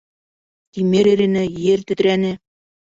Тимер ирене, ер тетрәне